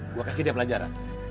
gue kasih dia pelajaran